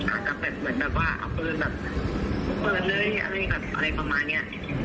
อาจจะแบบเหมือนแบบว่าเอาปืนแบบเปิดเลยอะไรแบบอะไรประมาณเนี้ย